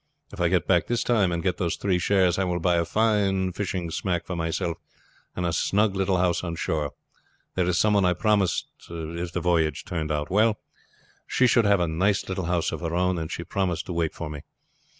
If I get back this time and get those three shares I will buy a fine fishing smack for myself and a snug little house on shore. There is some one I promised if the voyage turned out well she should have a nice little house of her own, and she promised to wait for me.